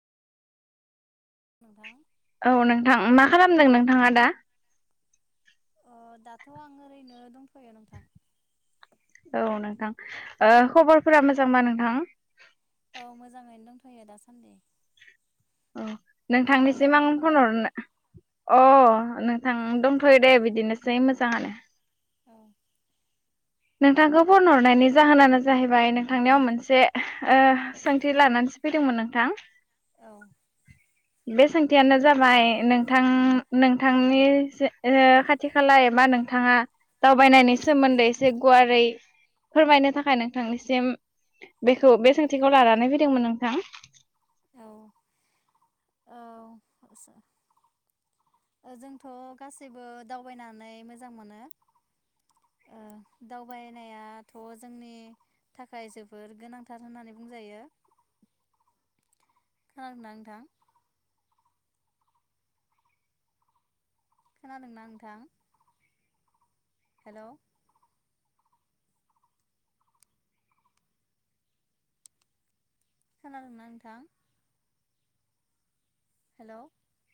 नोंथां औ नोंथां मा खालामदों नों? आंया दा अ दाथ आं ओरैनो दंथयो नोंथां। औ नोंथां ओ खबरफ्रा मोजां बा नोंथां? औ मोजाङैनो दंथयो दासान्दि। औ नोंथाङालाय नोंथांनिसिम मा आं फन खबर हरनो अ नोंथां दंथ'यो दे बिदिनोसै मोजाङानो। औ। नोंथांखौ फन हरनायनि जाहोनानो जाहैबाय नोंथांनियाव मोनसे ओ सोंथि लानानैसो फैदोंमोन नोंथां। औ बे सोंथियानो जाबाय नोंथां नोंथांनि जे-ए खाथि खाला एबा नोंथाङा दावबायनायनि औ सोमोन्दै एसे गुवारै फोरमायनो थाखाय नोंथांनिसिम बेखौ बे सोंथिखौ लानानै फैदोंमोन नोंथां। औ औ आसा जोंथ गासैबो दावबायनानै मोजां मोनो ओ दावबायनायाथ जोंनि थाखाय जोबोर गोनांथार होननानै बुंजायो। खोनादोंना नोंथा? खोनादोंना नोंथां? हेल। खोनां नोंथां। हेलौ